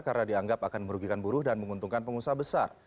karena dianggap akan merugikan buruh dan menguntungkan pengusaha besar